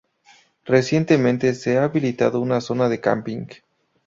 Recientemente se ha habilitado una zona de camping.